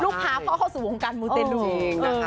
ลูกพาพ่อเข้าสู่วงการหมูเต็มจริงนะคะ